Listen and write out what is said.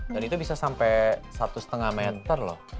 dan itu bisa sampai satu lima meter loh